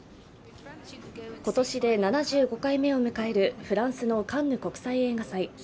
今年で７５回目を迎えるフランスのカンヌ国際映画祭。